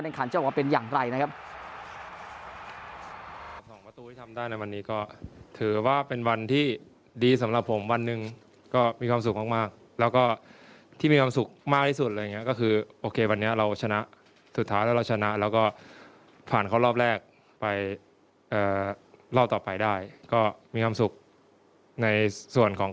ทุกคนพยายามเต็มที่แล้ว